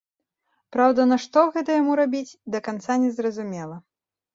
Праўда, нашто гэта яму рабіць, да канца не зразумела.